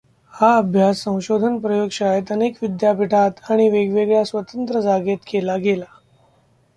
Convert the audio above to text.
हा अभ्यास संशोधन प्रयोगशाळेत, अनेक विद्यापीठांत आणि वेगवेगळ्या स्वतंत्र जागेत केला गेला.